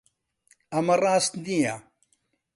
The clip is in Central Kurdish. ئەمە ڕاست نییە.